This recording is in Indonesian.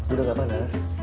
udah gak panas